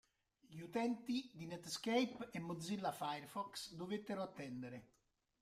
Gli utenti di Netscape e Mozilla Firefox dovettero attendere.